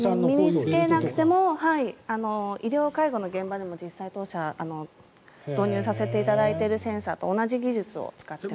身に着けなくても医療介護の現場でも実際に当社が導入させていただいているセンサーと同じ技術を使っています。